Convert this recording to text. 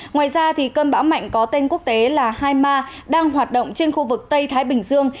ngoài ra cân bão mạnh có tên quốc tế là haima đang hoạt động trên khu vực tây thái bình dương